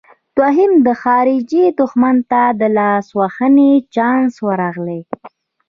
دویم خارجي دښمن ته د لاسوهنې چانس ورغلی.